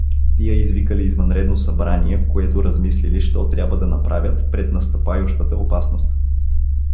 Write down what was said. Тия извикали извънредно събрание, в което размислили що трябва да направят пред настъпающата опасност.